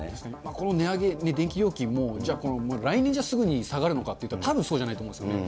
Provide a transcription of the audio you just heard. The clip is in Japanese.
この値上げ、電気料金も、じゃこの来年じゃすぐに下がるのかっていったら、たぶんそうじゃないと思うんですよね。